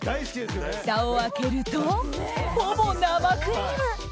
ふたを開けると、ほぼ生クリーム。